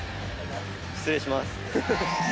失礼します。